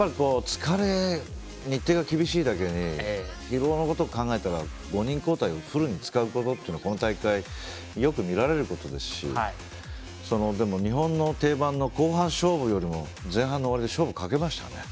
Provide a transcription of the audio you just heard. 日程が厳しいだけに疲労のことを考えたら５人交代をフルに使うって今大会でよく見られることですしでも、日本の定番の後半勝負よりも前半の終わりで勝負かけましたからね